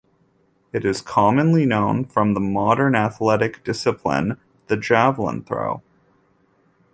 It is commonly known from the modern athletic discipline, the Javelin throw.